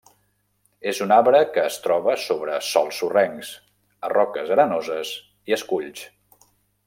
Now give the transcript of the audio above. És un arbre que es troba sobre sòls sorrencs, a roques arenoses i esculls.